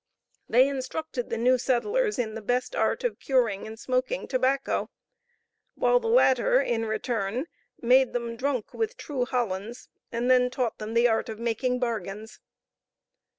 They instructed the new settlers in the best art of curing and smoking tobacco, while the latter in return, made them drunk with true Hollands, and then taught them the art of making bargains.